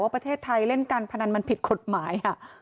ประเทศไทยเล่นการพนันมันผิดกฎหมาย